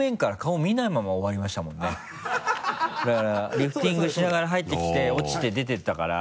だからリフティングしながら入ってきて落ちて出てったから。